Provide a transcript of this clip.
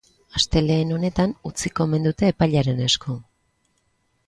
Astelehenen honetan utziko omen dute epailearen esku.